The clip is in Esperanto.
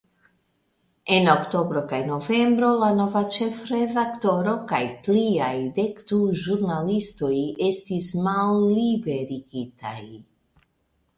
En oktobro kaj novembro la nova ĉefredaktoro kaj pliaj dekdu ĵurnalistoj estis malliberigitaj.